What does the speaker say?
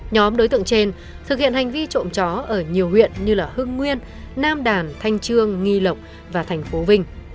nhóm đối tượng trên thực hiện hành vi trộm chó ở nhiều huyện như hưng nguyên nam đàn thanh trương nghi lộc và thành phố vinh